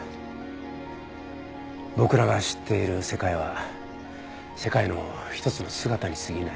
僕らが知っている世界は世界の一つの姿に過ぎない。